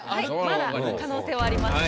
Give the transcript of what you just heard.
まだ可能性はあります。